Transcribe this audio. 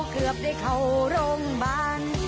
เกือบได้เข้าร่มบ้าน